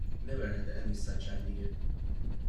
I never had any such idea.